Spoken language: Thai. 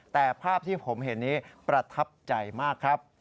แต่ภาพที่ผมเห็นนี้ประทับใจมากครับ